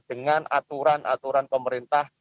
dengan aturan aturan pemerintah